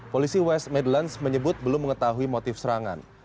polisi west middlens menyebut belum mengetahui motif serangan